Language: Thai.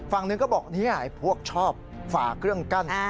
ฝั่งหนึ่งก็บอกพวกชอบฝ่าเครื่องกั้น